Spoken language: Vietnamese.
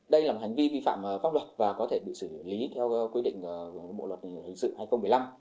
đây là một hành vi vi phạm pháp luật và có thể bị xử lý theo quy định bộ luật hình sự hai nghìn một mươi năm